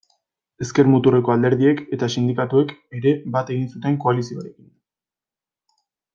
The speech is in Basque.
Ezker-muturreko alderdiek eta sindikatuek ere bat egin zuten koalizioarekin.